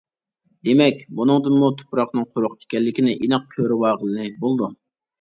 دېمەك، بۇنىڭدىنمۇ تۇپراقنىڭ قۇرۇق ئىكەنلىكىنى ئېنىق كۆرۈۋالغىلى بولىدۇ.